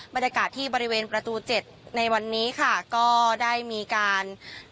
บรรยากาศที่บริเวณประตูเจ็ดในวันนี้ค่ะก็ได้มีการ